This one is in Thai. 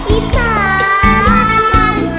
อีสาน